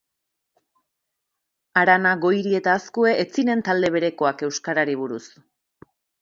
Arana Goiri eta Azkue ez ziren talde berekoak euskarari buruz.